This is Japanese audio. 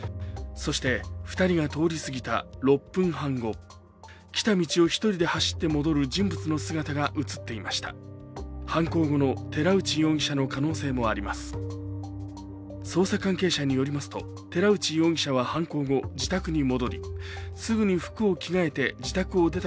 そして、２人が通りすぎた６分半後、来た道を１人で走って戻る人物の姿が映っていました